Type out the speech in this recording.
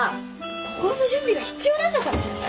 心の準備が必要なんだからね！